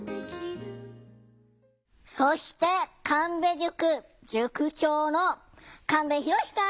そして神戸塾塾長の神戸浩さん！